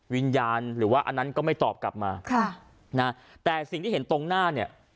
วิญญาณหรือว่าอันนั้นก็ไม่ตอบกลับมาค่ะนะแต่สิ่งที่เห็นตรงหน้าเนี่ย